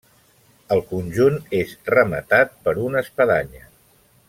El conjunt és rematat per una espadanya.